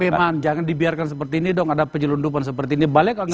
tapi man jangan dibiarkan seperti ini dong ada penyelundupan seperti ini